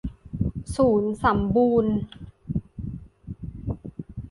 ศูนย์สัมบูรณ์